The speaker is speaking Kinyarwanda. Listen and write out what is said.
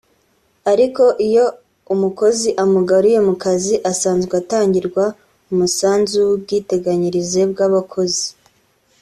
Ariko iyo umukozi amugariye mu kazi asazwe atangirwa umusanzu w’ubwiteganyirize bw’abakozi